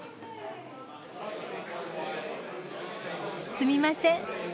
すみません。